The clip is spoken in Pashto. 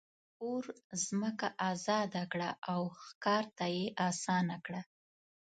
اور ځمکه آزاده کړه او ښکار ته یې آسانه کړه.